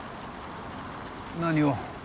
何を？